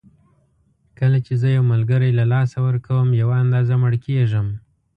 کله چې زه یو ملګری له لاسه ورکوم یوه اندازه مړ کېږم.